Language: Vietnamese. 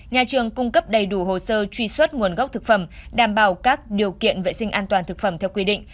nhà trường cung cấp đầy đủ hồ sơ truy xuất nguồn gốc thực phẩm đảm bảo các điều kiện vệ sinh an toàn thực phẩm theo quy định